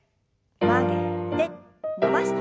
曲げて伸ばして。